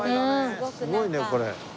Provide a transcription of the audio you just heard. すごいねこれ。